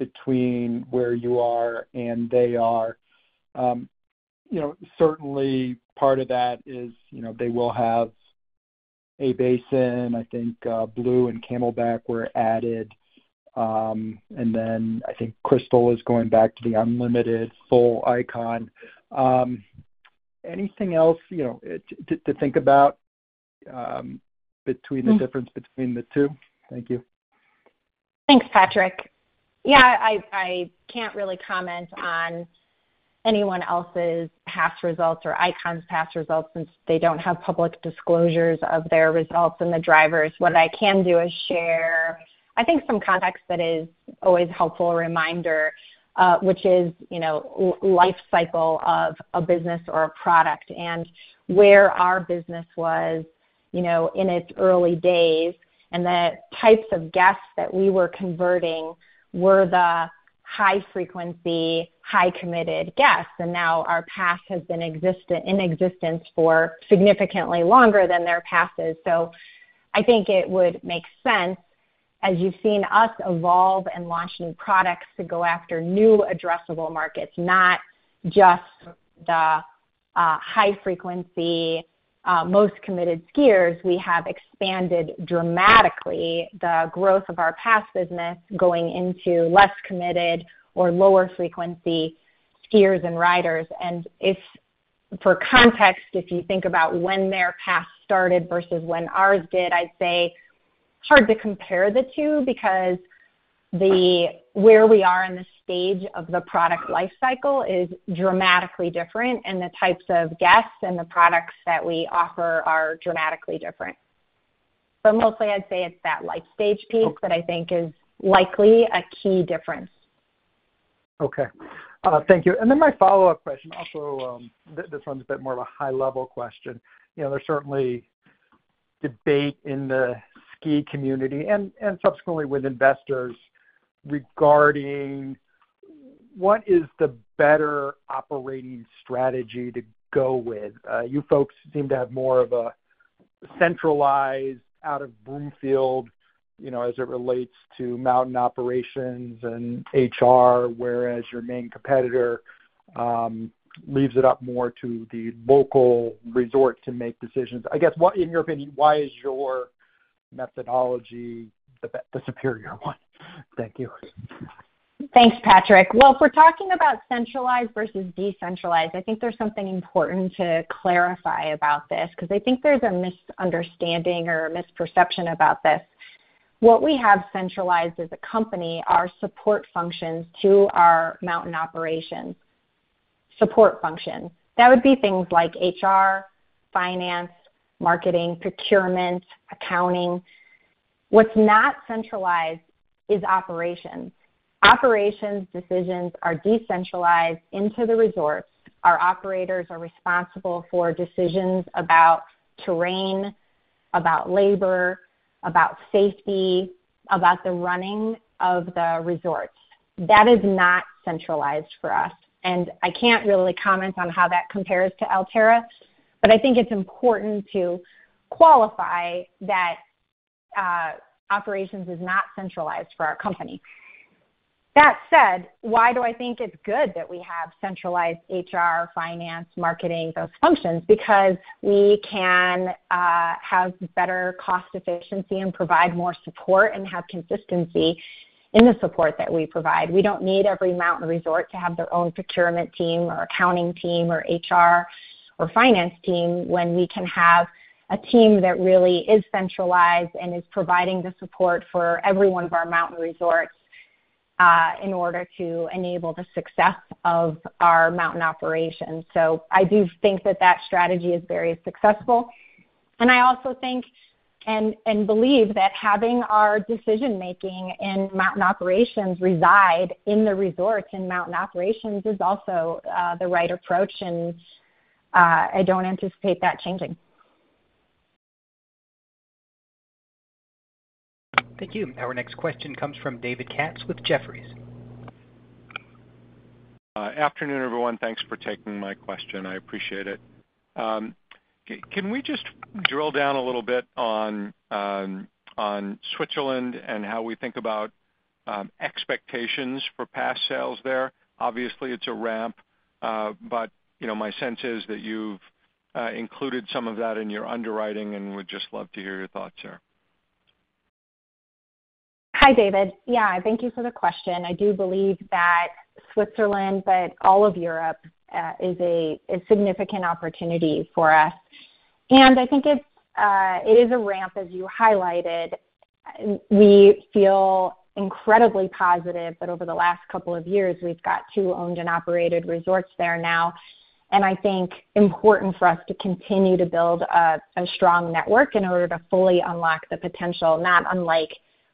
between where you are and they are? You know, certainly part of that is, you know, they will have A-Basin. I think Blue and Camelback were added, and then I think Crystal is going back to the unlimited full Icon. Anything else, you know, to think about?... between the difference between the two? Thank you. Thanks, Patrick. Yeah, I can't really comment on anyone else's Pass results or Ikon's Pass results since they don't have public disclosures of their results and the drivers. What I can do is share, I think, some context that is always helpful reminder, which is, you know, life cycle of a business or a product, and where our business was, you know, in its early days, and the types of guests that we were converting were the high frequency, high committed guests. And now our Pass has been in existence for significantly longer than their Pass is. So I think it would make sense, as you've seen us evolve and launch new products to go after new addressable markets, not just the high frequency, most committed skiers. We have expanded dramatically the growth of our pass business going into less committed or lower frequency skiers and riders. And if, for context, if you think about when their pass started versus when ours did, I'd say it's hard to compare the two, because where we are in the stage of the product life cycle is dramatically different, and the types of guests and the products that we offer are dramatically different. But mostly, I'd say it's that life stage piece that I think is likely a key difference. Okay. Thank you. And then my follow-up question also, this one's a bit more of a high-level question. You know, there's certainly debate in the ski community and, and subsequently with investors regarding what is the better operating strategy to go with? You folks seem to have more of a centralized out of Broomfield, you know, as it relates to mountain operations and HR, whereas your main competitor leaves it up more to the local resort to make decisions. I guess, what, in your opinion, why is your methodology the superior one? Thank you. Thanks, Patrick. Well, if we're talking about centralized versus decentralized, I think there's something important to clarify about this, 'cause I think there's a misunderstanding or a misperception about this. What we have centralized as a company are support functions to our mountain operations. Support function. That would be things like HR, finance, marketing, procurement, accounting. What's not centralized is operations. Operations decisions are decentralized into the resorts. Our operators are responsible for decisions about terrain, about labor, about safety, about the running of the resorts. That is not centralized for us, and I can't really comment on how that compares to Alterra, but I think it's important to qualify that, operations is not centralized for our company. That said, why do I think it's good that we have centralized HR, finance, marketing, those functions? Because we can have better cost efficiency and provide more support, and have consistency in the support that we provide. We don't need every mountain resort to have their own procurement team, or accounting team, or HR, or finance team, when we can have a team that really is centralized and is providing the support for every one of our mountain resorts in order to enable the success of our mountain operations. So I do think that that strategy is very successful. And I also think and believe that having our decision-making in mountain operations reside in the resorts and mountain operations is also the right approach, and I don't anticipate that changing. Thank you. Our next question comes from David Katz with Jefferies. Afternoon, everyone. Thanks for taking my question. I appreciate it. Can we just drill down a little bit on Switzerland and how we think about expectations for pass sales there? Obviously, it's a ramp, but, you know, my sense is that you've included some of that in your underwriting and would just love to hear your thoughts here. Hi, David. Yeah, thank you for the question. I do believe that Switzerland, but all of Europe, is a significant opportunity for us. And I think it's, it is a ramp, as you highlighted. We feel incredibly positive that over the last couple of years, we've got two owned and operated resorts there now. And I think important for us to continue to build a strong network in order to fully unlock the potential, not unlike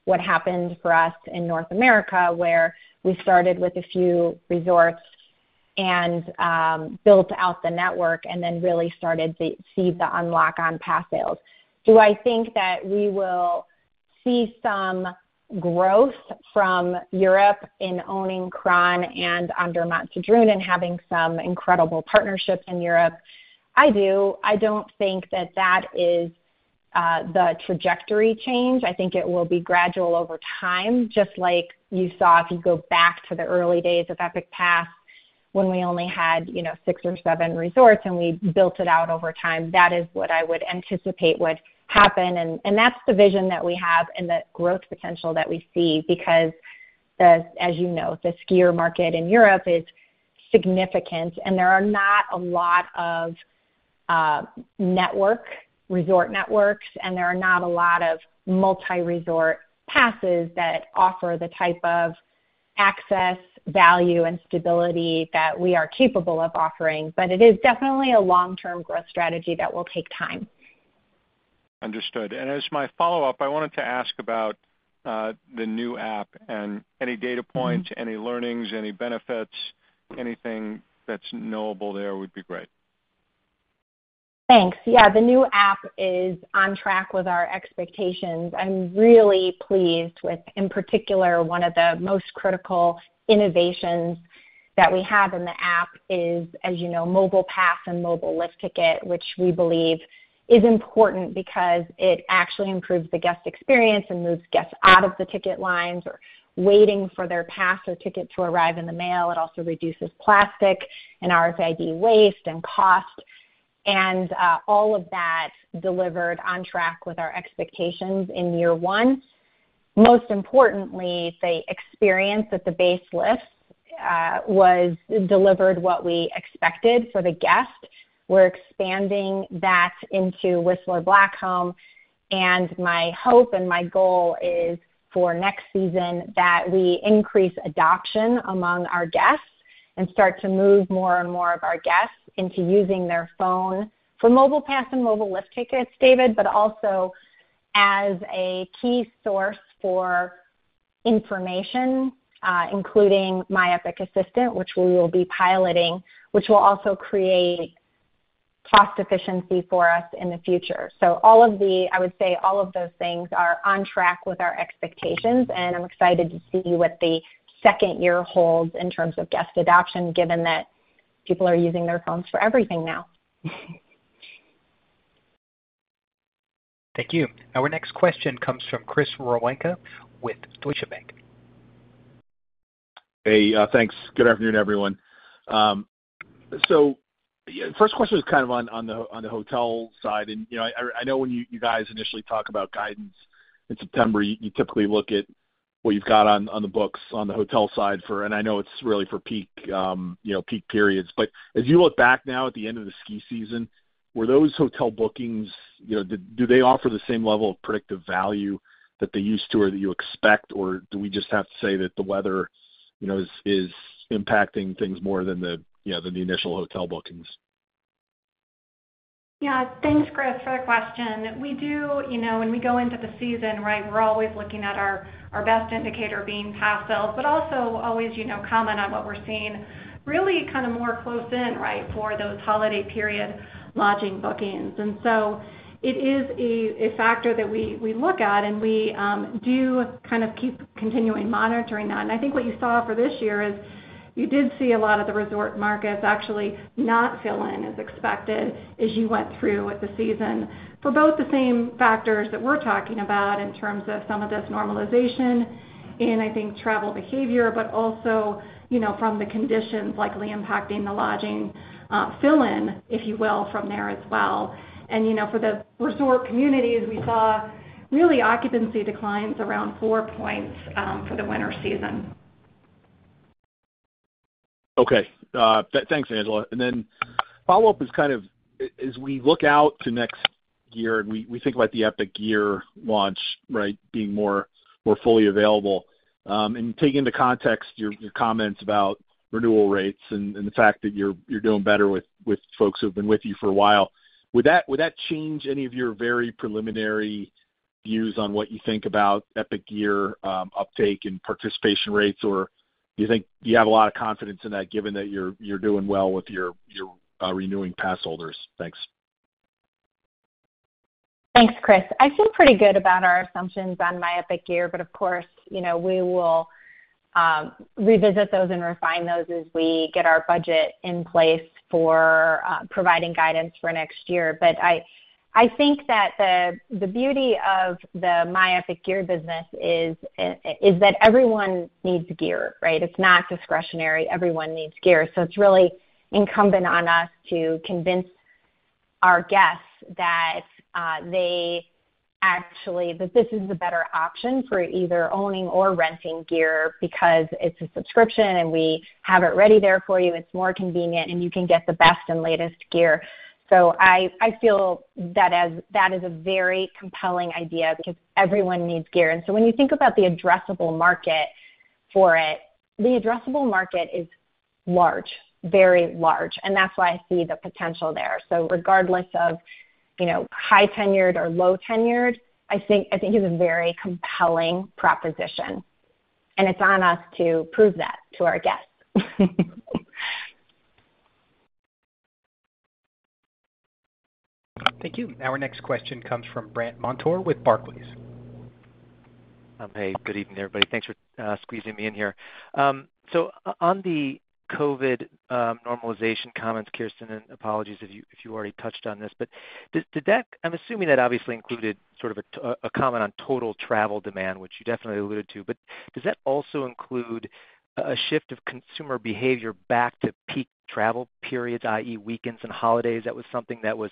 what happened for us in North America, where we started with a few resorts and built out the network and then really started to see the unlock on pass sales. Do I think that we will see some growth from Europe in owning Crans-Montana and Andermatt-Sedrun and having some incredible partnerships in Europe? I do. I don't think that that is the trajectory change. I think it will be gradual over time, just like you saw if you go back to the early days of Epic Pass when we only had, you know, six or seven resorts, and we built it out over time. That is what I would anticipate would happen, and that's the vision that we have and the growth potential that we see. Because the, as you know, the skier market in Europe is... significant, and there are not a lot of network, resort networks, and there are not a lot of multi-resort passes that offer the type of access, value, and stability that we are capable of offering. But it is definitely a long-term growth strategy that will take time. Understood. As my follow-up, I wanted to ask about the new app and any data points, any learnings, any benefits, anything that's knowable there would be great. Thanks. Yeah, the new app is on track with our expectations. I'm really pleased with, in particular, one of the most critical innovations that we have in the app is, as you know, mobile pass and mobile lift ticket, which we believe is important because it actually improves the guest experience and moves guests out of the ticket lines or waiting for their pass or ticket to arrive in the mail. It also reduces plastic and RFID waste and cost, and all of that delivered on track with our expectations in year one. Most importantly, the experience at the base areas was delivered what we expected for the guest. We're expanding that into Whistler Blackcomb, and my hope and my goal is for next season that we increase adoption among our guests and start to move more and more of our guests into using their phone for mobile pass and mobile lift tickets, David, but also as a key source for information, including My Epic Assistant, which we will be piloting, which will also create cost efficiency for us in the future. So all of those things are on track with our expectations, and I'm excited to see what the second year holds in terms of guest adoption, given that people are using their phones for everything now. Thank you. Our next question comes from Chris Woronka with Deutsche Bank. Hey, thanks. Good afternoon, everyone. So first question is kind of on the hotel side. And, you know, I know when you guys initially talk about guidance in September, you typically look at what you've got on the books on the hotel side for... And I know it's really for peak, you know, peak periods. But as you look back now at the end of the ski season, were those hotel bookings, you know, do they offer the same level of predictive value that they used to or that you expect? Or do we just have to say that the weather, you know, is impacting things more than the initial hotel bookings? Yeah. Thanks, Chris, for that question. We do, you know, when we go into the season, right, we're always looking at our, our best indicator being pass sales, but also always, you know, comment on what we're seeing really kind of more close in, right, for those holiday period lodging bookings. And so it is a, a factor that we, we look at, and we do kind of keep continuing monitoring that. And I think what you saw for this year is you did see a lot of the resort markets actually not fill in as expected as you went through with the season, for both the same factors that we're talking about in terms of some of this normalization and I think travel behavior, but also, you know, from the conditions likely impacting the lodging fill in, if you will, from there as well. You know, for the resort communities, we saw really occupancy declines around four points for the winter season. Okay. Thanks, Angela. And then follow-up is kind of as we look out to next year, and we think about the Epic Gear launch, right, being more fully available, and take into context your comments about renewal rates and the fact that you're doing better with folks who've been with you for a while, would that change any of your very preliminary views on what you think about Epic Gear uptake and participation rates? Or do you think you have a lot of confidence in that, given that you're doing well with your renewing pass holders? Thanks. Thanks, Chris. I feel pretty good about our assumptions on My Epic Gear, but of course, you know, we will revisit those and refine those as we get our budget in place for providing guidance for next year. But I think that the beauty of the My Epic Gear business is that everyone needs gear, right? It's not discretionary. Everyone needs gear. So it's really incumbent on us to convince our guests that they actually... That this is the better option for either owning or renting gear because it's a subscription, and we have it ready there for you. It's more convenient, and you can get the best and latest gear. So I feel that that is a very compelling idea because everyone needs gear. When you think about the addressable market for it, the addressable market is large, very large, and that's why I see the potential there. Regardless of, you know, high tenured or low tenured, I think, I think it's a very compelling proposition, and it's on us to prove that to our guests. Thank you. Our next question comes from Brandt Montour with Barclays. Hey, good evening, everybody. Thanks for squeezing me in here. On the COVID normalization comments, Kirsten, and apologies if you already touched on this, but does that—I'm assuming that obviously included sort of a comment on total travel demand, which you definitely alluded to. But does that also include a shift of consumer behavior back to peak travel periods, i.e., weekends and holidays? That was something that was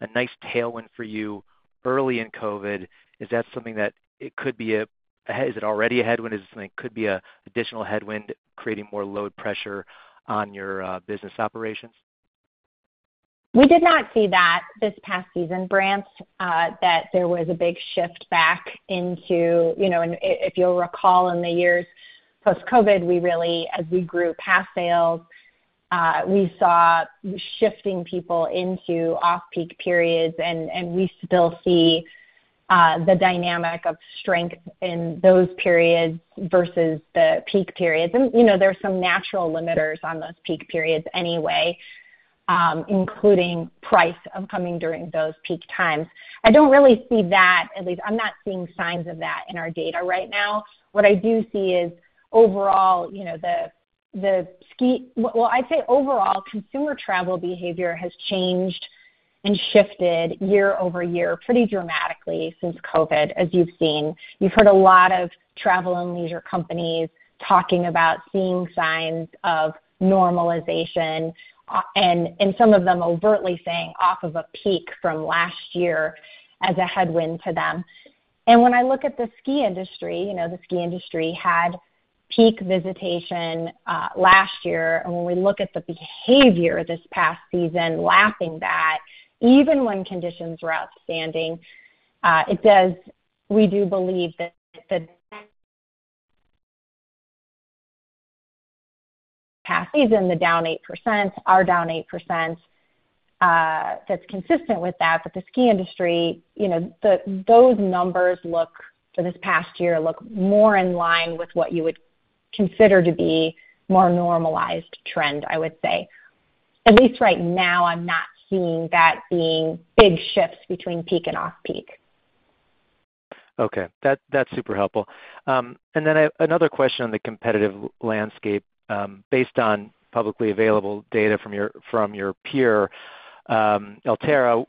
a nice tailwind for you early in COVID. Is that something that it could be a—is it already a headwind, or is it something that could be a additional headwind, creating more load pressure on your business operations? ...We did not see that this past season, Brandt, that there was a big shift back into, you know, and if you'll recall, in the years post-COVID, we really, as we grew past sales, we saw shifting people into off-peak periods, and, and we still see the dynamic of strength in those periods versus the peak periods. And, you know, there are some natural limiters on those peak periods anyway, including price of coming during those peak times. I don't really see that... At least I'm not seeing signs of that in our data right now. What I do see is overall, you know, the ski-- Well, I'd say overall, consumer travel behavior has changed and shifted year-over-year pretty dramatically since COVID, as you've seen. You've heard a lot of travel and leisure companies talking about seeing signs of normalization, and some of them overtly saying off of a peak from last year as a headwind to them. And when I look at the ski industry, you know, the ski industry had peak visitation last year, and when we look at the behavior this past season, lapping that, even when conditions were outstanding, we do believe that the past season, the down 8%, are down 8%, that's consistent with that. But the ski industry, you know, those numbers look, for this past year, look more in line with what you would consider to be more normalized trend, I would say. At least right now, I'm not seeing that being big shifts between peak and off-peak. Okay, that's super helpful. And then another question on the competitive landscape. Based on publicly available data from your peer, Alterra,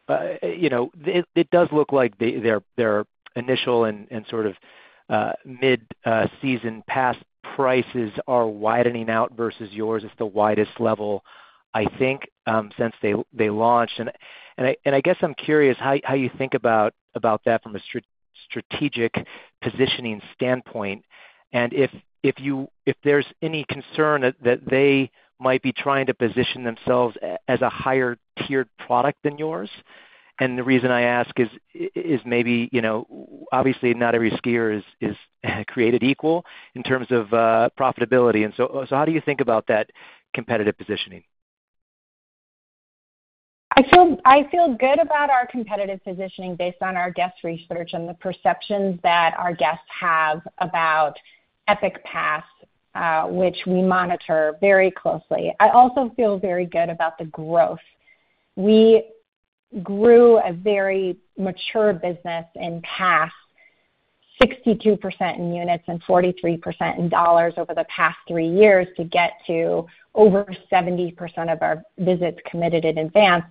you know, it does look like their initial and sort of mid season pass prices are widening out versus yours. It's the widest level, I think, since they launched. And I guess I'm curious how you think about that from a strategic positioning standpoint, and if there's any concern that they might be trying to position themselves as a higher tiered product than yours? And the reason I ask is maybe, you know, obviously, not every skier is created equal in terms of profitability, and so how do you think about that competitive positioning? I feel good about our competitive positioning based on our guest research and the perceptions that our guests have about Epic Pass, which we monitor very closely. I also feel very good about the growth. We grew a very mature business in pass 62% in units and 43% in dollars over the past three years to get to over 70% of our visits committed in advance.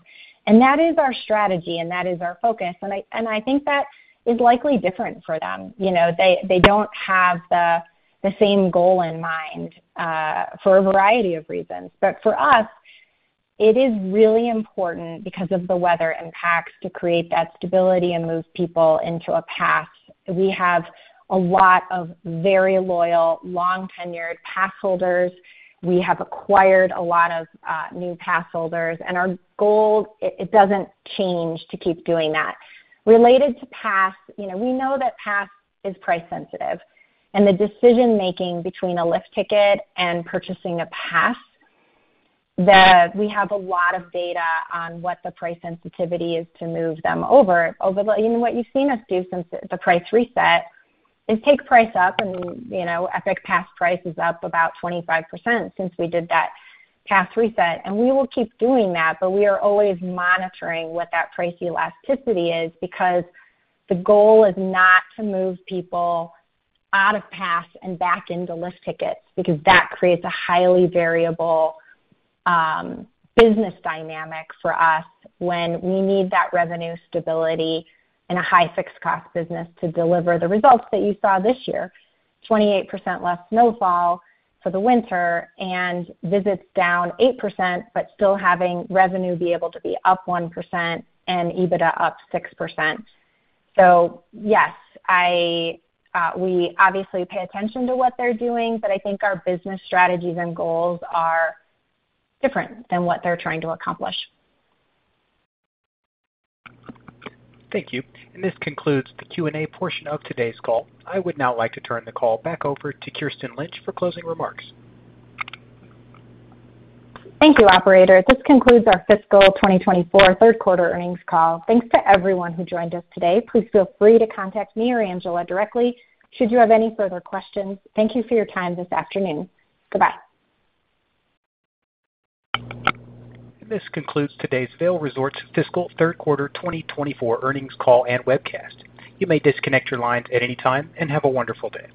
That is our strategy, and that is our focus, and I think that is likely different for them. You know, they don't have the same goal in mind for a variety of reasons. But for us, it is really important, because of the weather impacts, to create that stability and move people into a pass. We have a lot of very loyal, long-tenured pass holders. We have acquired a lot of new pass holders, and our goal, it doesn't change to keep doing that. Related to pass, you know, we know that pass is price sensitive, and the decision-making between a lift ticket and purchasing a pass. We have a lot of data on what the price sensitivity is to move them over. You know, what you've seen us do since the price reset is take price up and, you know, Epic Pass price is up about 25% since we did that pass reset, and we will keep doing that. But we are always monitoring what that price elasticity is, because the goal is not to move people out of pass and back into lift tickets, because that creates a highly variable, business dynamic for us when we need that revenue stability and a high fixed cost business to deliver the results that you saw this year. 28% less snowfall for the winter and visits down 8%, but still having revenue be able to be up 1% and EBITDA up 6%. So yes, I, we obviously pay attention to what they're doing, but I think our business strategies and goals are different than what they're trying to accomplish. Thank you. This concludes the Q&A portion of today's call. I would now like to turn the call back over to Kirsten Lynch for closing remarks. Thank you, operator. This concludes our fiscal 2024 Q3 Earnings Call. Thanks to everyone who joined us today. Please feel free to contact me or Angela directly should you have any further questions. Thank you for your time this afternoon. Goodbye. This concludes today's Vail Resorts fiscal Q3 2024 Earnings Call and webcast. You may disconnect your lines at any time, and have a wonderful day.